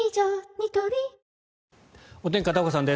ニトリお天気、片岡さんです。